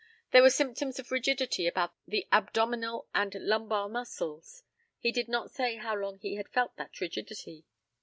There were symptoms of rigidity about the abdominal and lumbar muscles. He did not say how long he had felt that rigidity.